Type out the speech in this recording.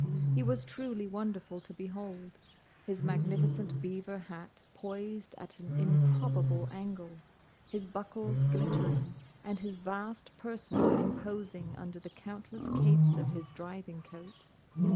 He was truly wonderful to behold: his magnificent beaver hat poised at an improbable angle, his buckles glittering, and his vast person imposing under the countless capes of his driving coat.